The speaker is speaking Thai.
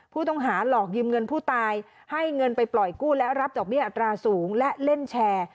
ผู้ต้องหาหลอกยืมเงินผู้ตายให้เงินไปปล่อยกู้และรับดอกเบี้ยอัตราสูงและเล่นแชร์